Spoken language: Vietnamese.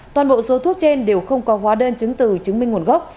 toàn bộ số thuốc trên đều không có hóa đơn chứng từ chứng minh nguồn gốc